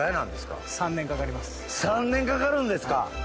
３年かかるんですか！